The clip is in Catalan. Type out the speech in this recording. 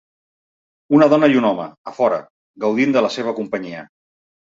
una dona i un home, a fora, gaudint de la seva companyia.